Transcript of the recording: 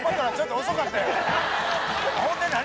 ほんで何？